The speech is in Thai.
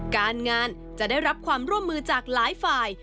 การงานจะได้รับความร่วมมือจากหลายฝ่าย